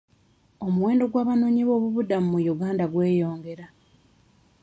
Omuwendo gw'abanoonyi b'obubuddamu mu Uganda gweyongera.